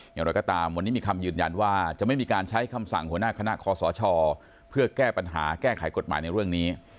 อย่างไรก็ตามวันนี้มีคำยืนยันว่าจะไม่มีการใช้คำสั่งหัวหน้าคณะคอสชเพื่อแก้ปัญหาแก้ไขกฎหมายในเรื่องนี้